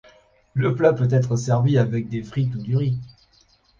Le plat peut être servi avec des frites ou du riz.